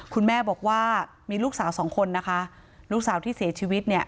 คุณแม่บอกว่ามีลูกสาวสองคนนะคะลูกสาวที่เสียชีวิตเนี่ย